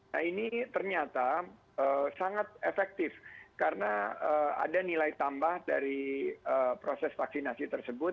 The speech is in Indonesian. nah ini ternyata sangat efektif karena ada nilai tambah dari proses vaksinasi tersebut